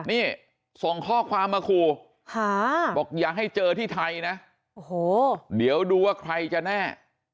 นี่ส่งข้อความมาขู่บอกอย่าให้เจอที่ไทยนะโอ้โหเดี๋ยวดูว่าใครจะแน่